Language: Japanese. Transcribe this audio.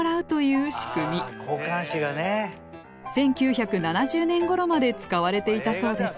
１９７０年ごろまで使われていたそうです。